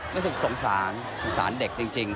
เราก็สงสารสงสารเด็กจริง